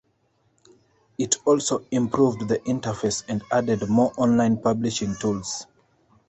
It also improved the interface and added more online publishing tools.